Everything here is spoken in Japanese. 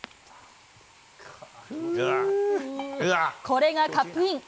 これがカップイン。